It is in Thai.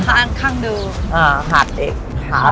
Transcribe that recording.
ผอดเหมือนกัน